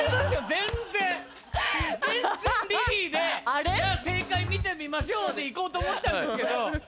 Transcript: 全然リリーでじゃあ正解見てみましょうでいこうと思ったんですけど。